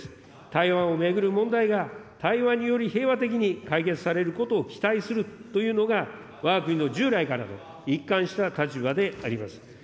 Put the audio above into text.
台湾を巡る問題が対話により平和的に解決されることを期待するというのが、わが国の従来からの一貫した立場であります。